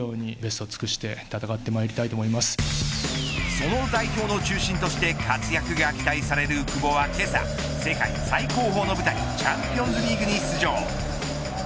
その代表の中心として活躍が期待される久保は、けさ世界最高峰の舞台チャンピオンズリーグに出場。